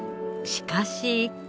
しかし。